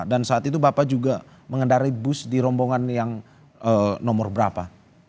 dan saat itu bapak juga mengendari bus di rombongan yang nomor berapa